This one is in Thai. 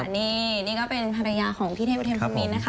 นี่ก็เป็นภรรยาของพี่เทศพี่เทมคุณมีนนะคะ